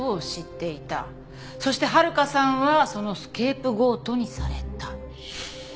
そして温香さんはそのスケープゴートにされた。